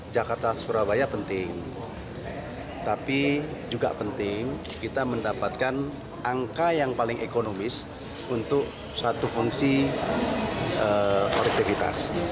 jakarta surabaya penting tapi juga penting kita mendapatkan angka yang paling ekonomis untuk satu fungsi objektivitas